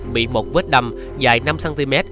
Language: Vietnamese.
bị một vết đâm dài năm cm